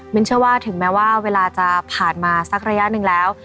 เชื่อว่าถึงแม้ว่าเวลาจะผ่านมาสักระยะหนึ่งแล้ว